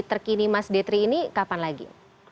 terkini mas detri ini kapan lagi